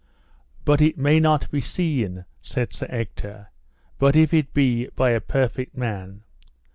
But it may not be seen, said Sir Ector, but if it be by a perfect man.